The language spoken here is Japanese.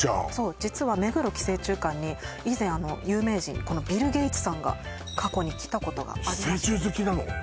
実は目黒寄生虫館に以前有名人このビル・ゲイツさんが過去に来たことがありまして寄生虫好きなの？